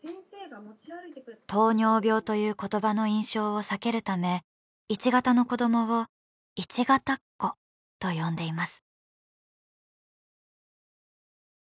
糖尿病という言葉の印象を避けるため１型の子どもを「１型っ子」と呼んでいます。